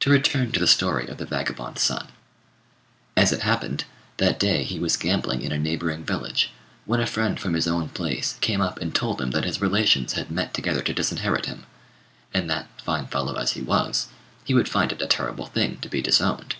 To return to the story of the vagabond son. As it happened, that day he was gambling in a neighbouring village, when a friend from his own place came up and told him that his relations had met together to disinherit him; and that, fine fellow as he was, he would find it a terrible thing to be disowned.